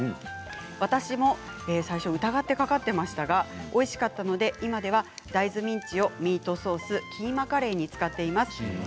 私も最初疑ってかかっていましたがおいしかったので今では大豆ミンチをミートソースキーマカレーに使っています。